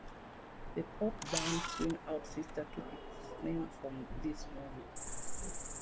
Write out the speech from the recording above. The pop band Swing Out Sister took its name from this movie.